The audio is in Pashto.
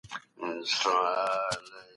ما اورېدلي چي نوی سيستم راځي.